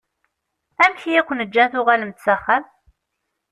Amek i aken-ǧǧan tuɣalem-d s axxam?